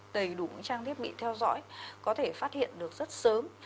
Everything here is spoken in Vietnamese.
đầy đủ trang thiết bị theo dõi có thể phát hiện được rất sớm